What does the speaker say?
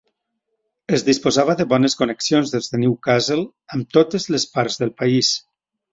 Es disposava de bones connexions des de Newcastle amb totes les parts del país.